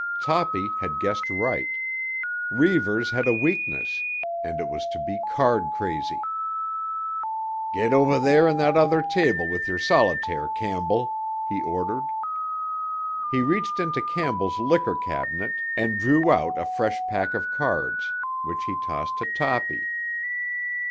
Toppy had guessed right; Reivers had a weakness, and it was to be "card crazy." "Get over there on that other table with your solitaire, Campbell!" he ordered. He reached into Campbell's liquor cabinet and drew out a fresh pack of cards, which he tossed to Toppy.